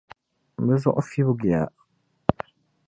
Bɛ zuɣu fibgiya.